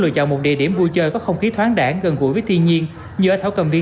lựa chọn một địa điểm vui chơi có không khí thoáng đảng gần gũi với thiên nhiên như ở thảo cầm viên